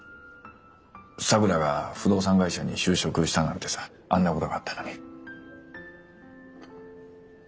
咲良が不動産会社に就職したなんてさあんなことがあったのに。